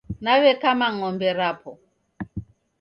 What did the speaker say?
Naw'ekama ng'ombe rapo.